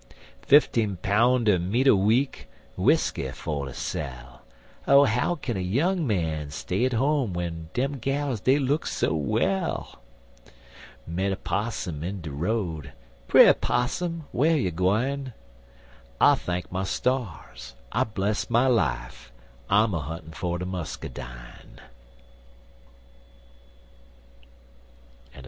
Fifteen poun' er meat a week, W'isky for ter sell, Oh, how can a young man stay at home, Dem gals dey look so well? Met a 'possum in de road Bre' 'Possum, whar you gwine? I thank my stars, I bless my life, I'm a huntin' for de muscadine.